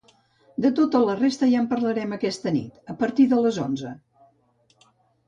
De tota la resta ja en parlarem aquesta nit, a partir de les onze.